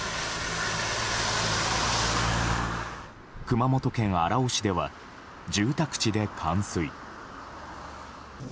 熊本県荒尾市では住宅地で冠水。